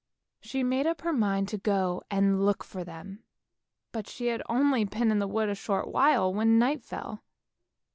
She made up her mind to go and look for them, but she had only been in the wood for a short time when night fell.